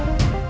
aku mau ke sana